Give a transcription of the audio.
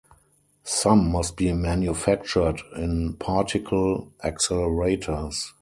Some must be manufactured in particle accelerators.